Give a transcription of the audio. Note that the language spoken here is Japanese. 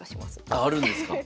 ああるんですか。